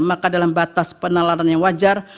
maka dalam batas penalaran yang wajar